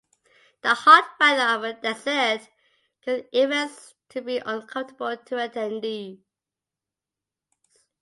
The hot weather of the desert caused events to be uncomfortable to attendees.